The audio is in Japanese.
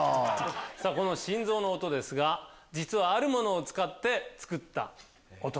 この心臓の音ですが実はあるものを使って作った音。